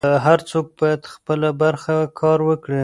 هر څوک بايد خپله برخه کار وکړي.